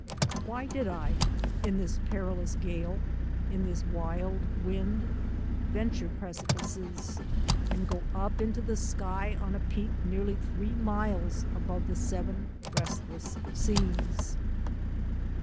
Why did I, in this perilous gale, in this wild wind, venture precipices and go up into the sky on a peak nearly three miles above the seven restless seas